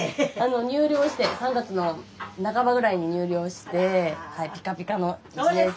入寮して３月の半ばぐらいに入寮してピカピカの１年生。